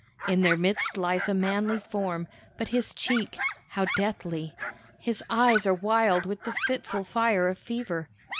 In their midst lies a manly form, but his cheek, how deathly! His eyes are wild with the fitful fire of fever.